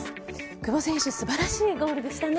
久保選手素晴らしいゴールでしたね。